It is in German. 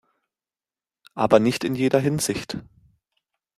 Aber nicht in jeder Hinsicht.